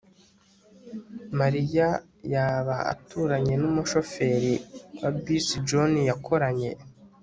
mariya yaba aturanye numushoferi wa bisi john yakoranye